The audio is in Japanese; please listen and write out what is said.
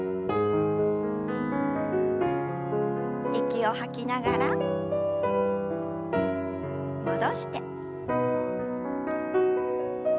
息を吐きながら戻して。